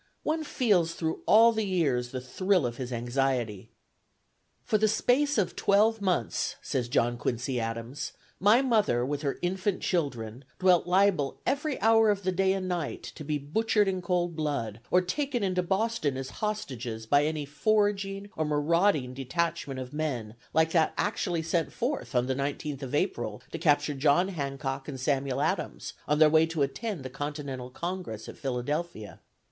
One feels through all the years the thrill of his anxiety. "For the space of twelve months," says John Quincy Adams, "my mother with her infant children dwelt liable every hour of the day and night to be butchered in cold blood or taken into Boston as hostages by any foraging or marauding detachment of men like that actually sent forth on the 19th of April to capture John Hancock and Samuel Adams, on their way to attend the Continental Congress at Philadelphia.